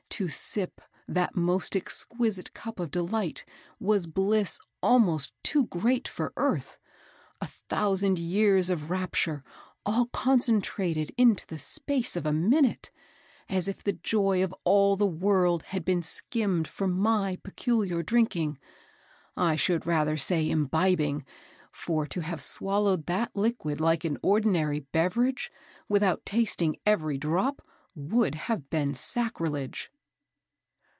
to sip that most exquisite cup of delight, was bliss almost too great for earth; a thousand years of rapture all concentrated into the space of a minute, as if the joy of all the world had been skimmed for my peculiar drinking, I should rather say imbibing, for to have swallowed that liquid like an ordinary beverage, without tasting every drop, would have been sacrilege."